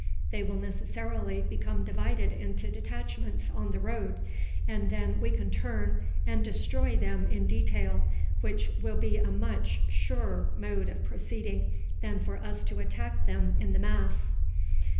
They will necessarily become divided into detachments on the road, and then we can turn and destroy them in detail, which will be a much surer mode of proceeding than for us to attack them in the mass."